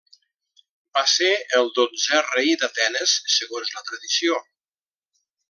Va ser el dotzè rei d'Atenes segons la tradició.